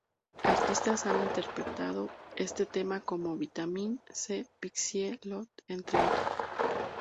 Artistas han interpretado este tema como: Vitamin C, Pixie Lott, entre otros.